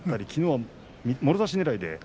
きのうは、もろ差しで。